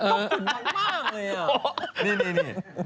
ต้องขุนมากเลยอ่ะ